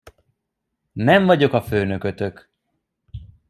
Nem vagyok a főnökötök.